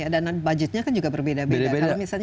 dan budgetnya kan juga berbeda beda